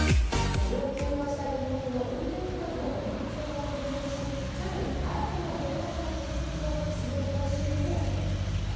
老朽化した原発の運転期間の延長を可能にし、更に、新たな原発の建設を進める方針にも踏み込みました。